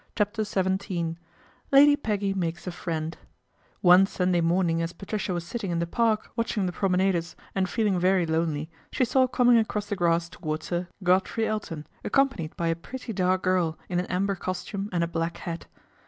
CHAPTER XVII LADY PEGGY MAKES A FRIEND ONE Sunday morning as Patricia was sit ting in the Park watching the promenaders and feeling very lonely, she saw coming across the grass towards her Godfrey Elton accompanied by a pretty dark girl in an amber costume and a black hat.